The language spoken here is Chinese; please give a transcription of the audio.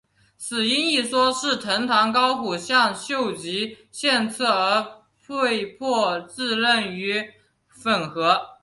死因一说是藤堂高虎向秀吉献策而被迫自刃于粉河。